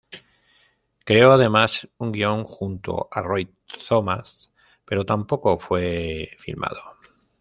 Creó además un guion junto a Roy Thomas, pero tampoco fue filmado.